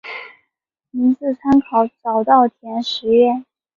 名字是参考早稻田实业。